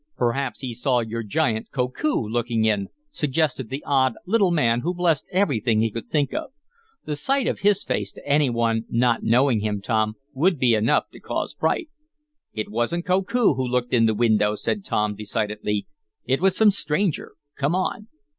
"Perhaps he saw your giant Koku looking in," suggested the odd, little man who blessed everything he could think of. "The sight of his face, to any one not knowing him, Tom, would be enough to cause fright." "It wasn't Koku who looked in the window," said Tom, decidedly. "It was some stranger. Come on."